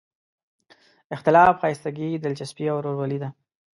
اختلاف ښایستګي، دلچسپي او ورورولي ده.